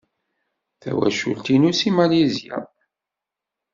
Tawacult-inu seg Malizya.